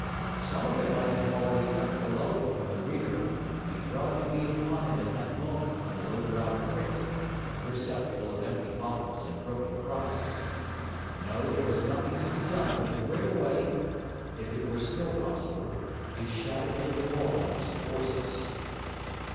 Some of them might have already ducked below it from the rear, and be drawing a bead upon him at that moment from the low browed crypt, the receptacle of empty bottles and broken crockery. No, there was nothing to be done but to bring away (if it were still possible) his shattered and demoralised forces.